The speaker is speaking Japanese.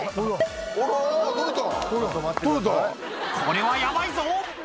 これはヤバいぞ！